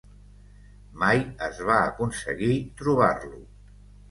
Mai es va aconseguir trobar-lo.